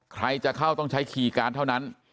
ใครจะเข้าต้องใช้คีย์การ์ดเท่านั้น